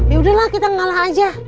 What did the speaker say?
yaudah lah kita ngalah aja